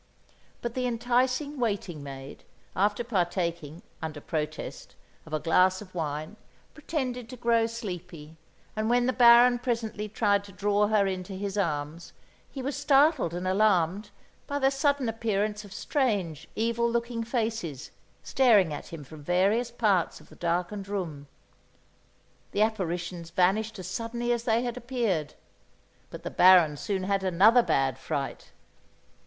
But the enticing "waiting maid," after partaking, under protest, of a glass of wine, pretended to grow sleepy; and when the Baron presently tried to draw her into his arms, he was startled and alarmed by the sudden appearance of strange, evil looking faces staring at him from various parts of the darkened room. The apparitions vanished as suddenly as they had appeared; but the Baron soon had another bad fright.